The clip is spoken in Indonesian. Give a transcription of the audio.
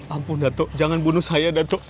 ampun datuk jangan bunuh saya dak